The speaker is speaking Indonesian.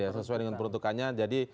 sesuai dengan peruntukannya